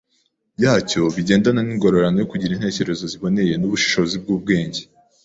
yacyo bigendana n’ingororano yo kugira intekerezo ziboneye n’ubushobozi bw’ubwenge.